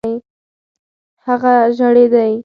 هغه ژړېدی .